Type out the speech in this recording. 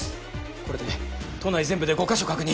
これで都内全部で５カ所確認